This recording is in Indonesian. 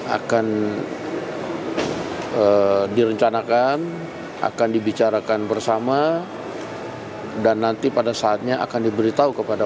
akan direncanakan akan dibicarakan bersama dan nanti pada saatnya akan diberitahu kepada